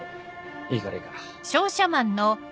いいからいいから。